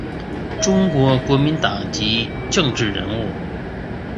中国国民党籍政治人物。